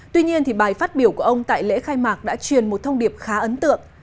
tuy nhiên bài phát biểu của ông tại lễ khai mạc đã truyền một thông điệp khá ấn tượng